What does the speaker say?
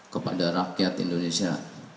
kepada rakyat indonesia